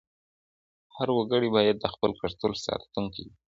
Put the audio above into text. هر وګړی باید د خپل کلتور ساتونکی وي.